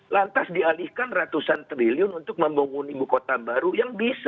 lantas dialihkan ratusan triliun untuk membangun ibu kota baru yang bisa